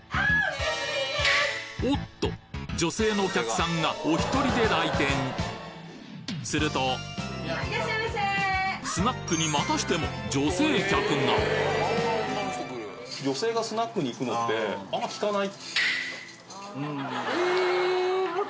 女性のお客さんがお１人で来店するとスナックにまたしても女性客が！に行くのってあんま聞かない。